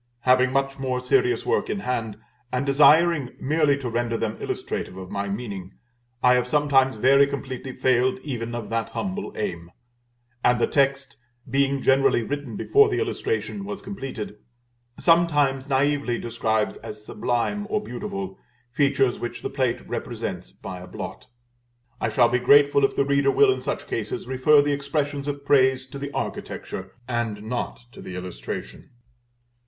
Having much more serious work in hand, and desiring merely to render them illustrative of my meaning, I have sometimes very completely failed even of that humble aim; and the text, being generally written before the illustration was completed, sometimes naïvely describes as sublime or beautiful, features which the plate represents by a blot. I shall be grateful if the reader will in such cases refer the expressions of praise to the Architecture, and not to the illustration.